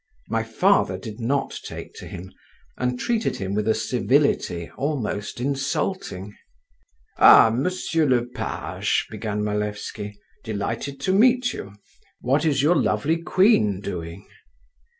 My father did not take to him, and treated him with a civility almost insulting. "Ah, monsieur le page," began Malevsky, "delighted to meet you. What is your lovely queen doing?"